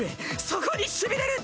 そこにしびれる！